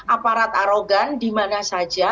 aparat arogan dimana saja